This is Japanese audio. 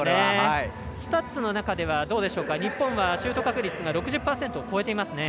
スタッツの中では日本はシュート確率が６０％超えていますね。